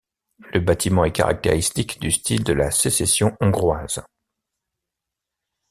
Le bâtiment est caractéristique du style de la Sécession hongroise.